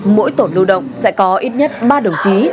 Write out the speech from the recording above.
mỗi tổ lưu động sẽ có ít nhất ba đồng chí